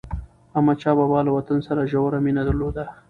احمدشاه بابا له وطن سره ژوره مینه درلوده.